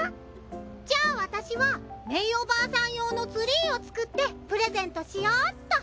じゃあ私はメイおばあさん用のツリーを作ってプレゼントしようっと！